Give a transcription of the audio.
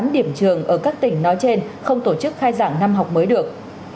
chín trăm hai mươi tám điểm trường ở các tỉnh nói trên không tổ chức khai giảng năm học mới được